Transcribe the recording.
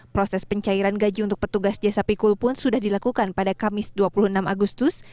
proses pencairan gaji untuk petugas jasa pikul pun sudah dilakukan pada kamis dua puluh enam agustus